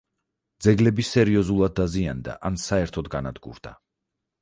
ძეგლები სერიოზულად დაზიანდა ან საერთოდ განადგურდა.